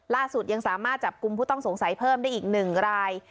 ล่าสุดยังสามารถจับกลุ่มผู้ต้องสงสัยเพิ่มได้อีก๑ราย